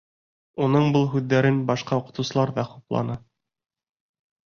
Уның был һүҙҙәрен башҡа уҡытыусылар ҙа хупланы.